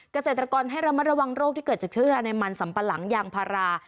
เกษตรกรให้ระมัดระวังโรคที่เกิดจากเชื้อราในมันสัมปะหลังยางพารา